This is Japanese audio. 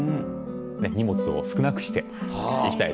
荷物を少なくして行きたいですね。